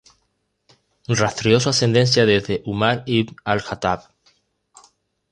Rastreó su ascendencia desde Umar ibn al-Jattab.